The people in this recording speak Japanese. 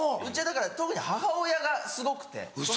うちはだから特に母親がすごくて。